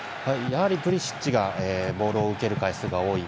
やはりプリシッチがボールを受ける回数が多い。